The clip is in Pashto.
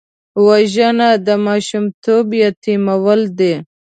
وژنه د ماشومتوب یتیمول دي